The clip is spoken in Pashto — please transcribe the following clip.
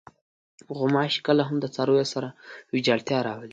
غوماشې کله هم د څارویو سره ویجاړتیا راولي.